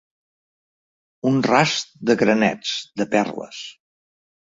Un rast de granets, de perles.